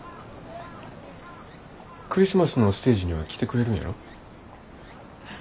クリスマスのステージには来てくれるんやろ？